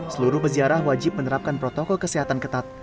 seluruh peziarah wajib menerapkan protokol kesehatan ketat